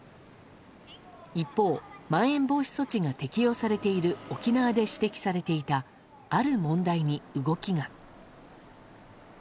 一方、まん延防止措置が適用されている沖縄で指摘されていたある問題に動きが。